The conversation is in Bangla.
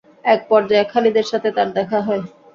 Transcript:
এক পর্যায়ে খালিদের সাথে তার দেখা হয়।